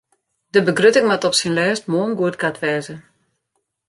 De begrutting moat op syn lêst moarn goedkard wêze.